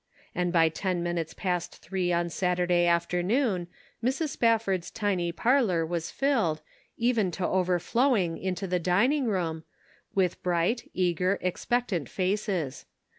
And by ten minutes past three on Saturday afternoon Mrs. Spafford's tiny parlor was filled, even to overflowing into the dining room, with bright, eager, expectant faces.